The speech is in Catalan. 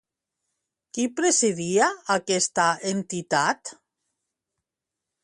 Qui presidia aquesta entitat?